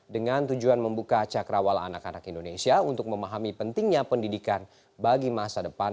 dengan tujuan membuka cakra wal anak anak indonesia untuk memahami pentingnya pendidikan bagi masa depan mereka dan menanamkan nilai kebinekaan